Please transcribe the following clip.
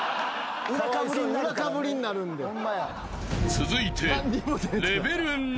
［続いて］